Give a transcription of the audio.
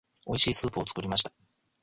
美味しいスープを作りました。